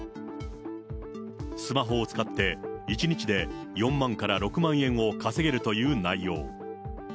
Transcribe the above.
スマホを使って１日で４万から６万円を稼げるという内容。